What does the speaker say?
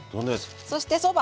そしてそば。